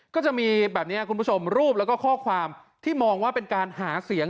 ก็จะมีแบบนี้คุณผู้ชมรูปแล้วก็ข้อความที่มองว่าเป็นการหาเสียง